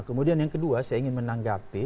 kemudian yang kedua saya ingin menanggapi